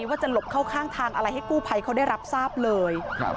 ว่าจะหลบเข้าข้างทางอะไรให้กู้ภัยเขาได้รับทราบเลย